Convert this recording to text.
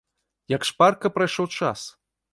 Як шпарка прайшоў час!